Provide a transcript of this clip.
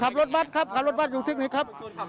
ขับรถบัตรครับขับรถบัตรอยู่เทคนิคครับ